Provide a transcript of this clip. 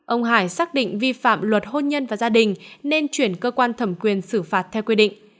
ông hải xác định vi phạm luật hôn nhân và gia đình nên chuyển cơ quan thẩm quyền xử phạt theo quy định